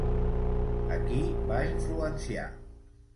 A qui va influenciar?